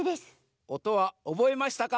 おとはおぼえましたか？